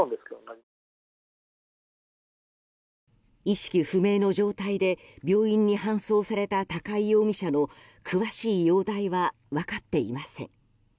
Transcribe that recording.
意識不明の状態で病院に搬送された高井容疑者の詳しい容体は分かっていません。